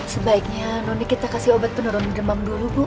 sebaiknya noni kita kasih obat penurun demam dulu bu